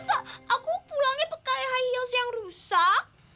masa aku pulangnya pakai high heels yang rusak